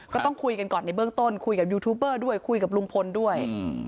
ก็ต้องคุยกันก่อนในเบื้องต้นคุยกับยูทูบเบอร์ด้วยคุยกับลุงพลด้วย